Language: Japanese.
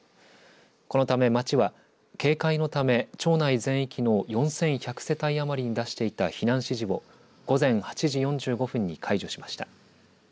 このため町は警戒のため町内全域の４１００世帯余りに出していた避難指示を午前８時４５分に解除しました。